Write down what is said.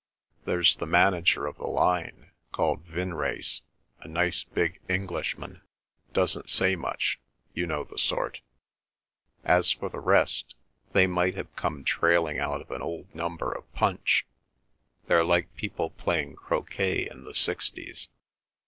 There's the manager of the line—called Vinrace—a nice big Englishman, doesn't say much—you know the sort. As for the rest—they might have come trailing out of an old number of Punch. They're like people playing croquet in the 'sixties.